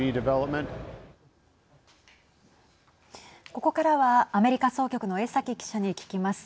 ここからは、アメリカ総局の江崎記者に聞きます。